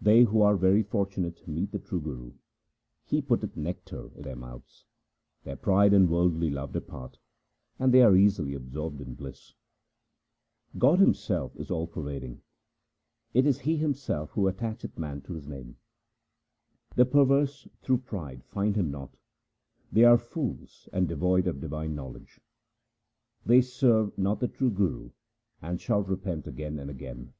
They who are very fortunate meet the true Guru ; he putteth nectar into their mouths. Their pride and worldly love depart ; and they are easily absorbed in bliss. 1 That is, lhat brief life should be man's portion. 186 THE SIKH RELIGION God Himself is all pervading ; it is He Himself who attacheth man to His name. The perverse through pride find Him not ; they are fools and devoid of divine knowledge. They serve not the true Guru, and shall repent again and again.